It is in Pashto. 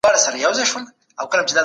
چې غمونه ورک کړو.